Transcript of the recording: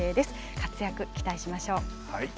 活躍期待しましょう。